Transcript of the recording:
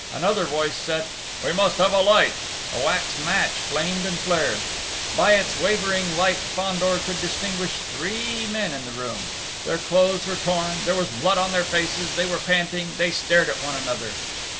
Another voice said: "We must have a light!" A wax match flamed and flared. By its wavering light Fandor could distinguish three men in the room.... Their clothes were torn: there was blood on their faces, they were panting: they stared at one another.